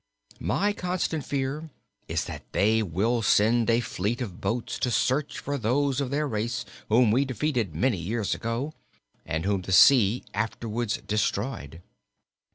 My constant fear is that they will send a fleet of boats to search for those of their race whom we defeated many years ago, and whom the sea afterwards destroyed.